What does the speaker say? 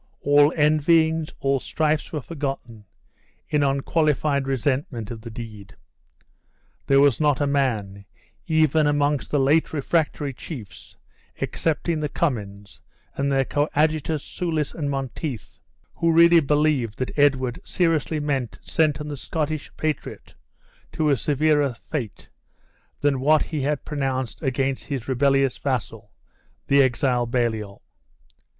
All envyings, all strifes were forgotten, in unqualified resentment of the deed. There was not a man, even amongst the late refractory chiefs, excepting the Cummins, and their coadjutors Soulis and Monteith, who really had believed that Edward seriously meant to sentence the Scottish patriot to a severer fate than what he had pronounced against his rebellious vassal, the exiled Baliol.